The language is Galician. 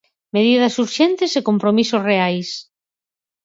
"Medidas urxentes e compromisos reais".